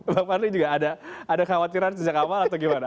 pak fahri juga ada khawatiran sejak awal atau gimana